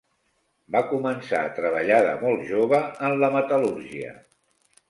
Va començar a treballar de molt jove en la metal·lúrgia.